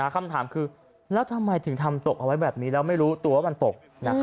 คำถามคือแล้วทำไมถึงทำตกเอาไว้แบบนี้แล้วไม่รู้ตัวว่ามันตก